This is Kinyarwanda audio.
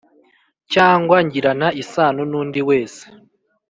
cyangwa ngirana isano nundi wese